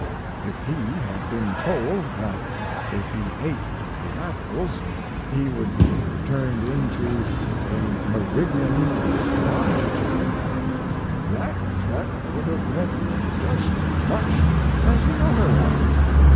If he had been told that if he ate the apples he would be turned into a meridian of longitude that threat would have meant just as much as the other one.